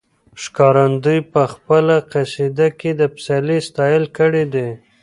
ښکارندوی په خپله قصیده کې د پسرلي ستایل کړي دي.